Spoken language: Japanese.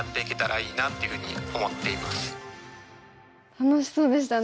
楽しそうでしたね。